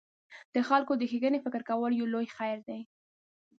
د خلکو د ښېګڼې فکر کول یو لوی خیر دی.